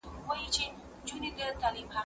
زه پرون چپنه پاکه کړه!